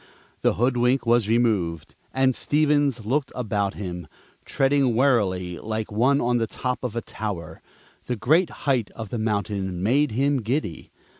The hoodwink was removed, and Stevens looked about him, treading warily, like one on the top of a tower; the great height of the mountain made him giddy.